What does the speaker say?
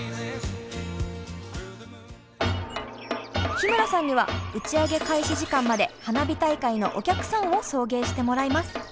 日村さんには打ち上げ開始時間まで花火大会のお客さんを送迎してもらいます。